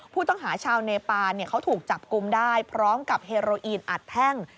ผู้ต้องหาชาวเนปานเขาถูกจับกลุ่มได้พร้อมกับเฮโรอีนอัดแท่ง